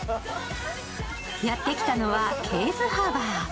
やって来たのはケーズハーバー。